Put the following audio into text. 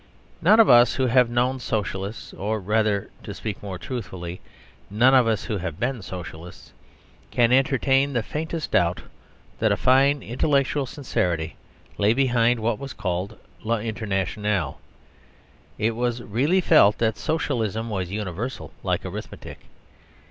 None of us who have known Socialists (or rather, to speak more truthfully, none of us who have been Socialists) can entertain the faintest doubt that a fine intellectual sincerity lay behind what was called "L'Internationale." It was really felt that Socialism was universal like arithmetic.